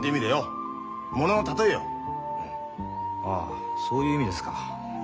ああそういう意味ですか。